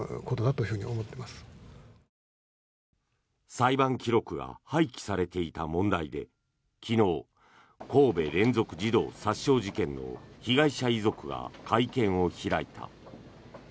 裁判記録が廃棄されていた問題で昨日、神戸連続児童殺傷事件の被害者遺族が会見を開いた。